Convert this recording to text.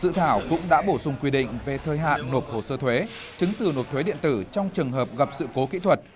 dự thảo cũng đã bổ sung quy định về thời hạn nộp hồ sơ thuế chứng từ nộp thuế điện tử trong trường hợp gặp sự cố kỹ thuật